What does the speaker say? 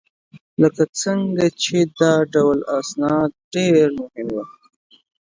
لکه څرنګه چې دا ډول اسناد ډېر مهم وه